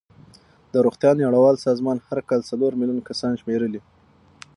د روغتیا نړیوال سازمان هر کال څلور میلیون کسان شمېرلې.